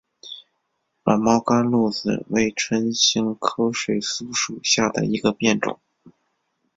软毛甘露子为唇形科水苏属下的一个变种。